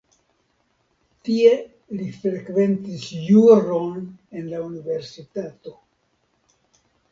Tie li frekventis juron en la universitato.